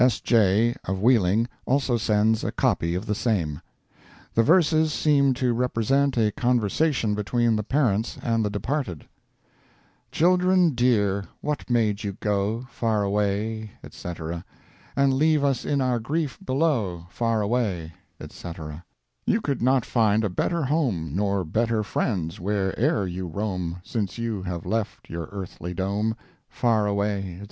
(S. J., of Wheeling, also sends a copy of the same.) The verses seem to represent a conversation between the parents and the departed: Children dear, what made you go Far away, &c. And leave us in our grief below, Far way, &c. You could not find a better home, Nor better friends where e'er you roam, Since you have left your earthly dome, Far way, &c.